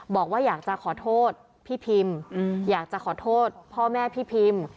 บอกว่าอยากจะขอโทษพี่พิมอยากจะขอโทษพ่อแม่พี่พิม